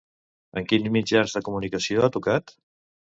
En quins mitjans de comunicació ha tocat?